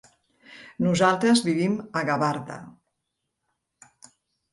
Nosaltres vivim a Gavarda.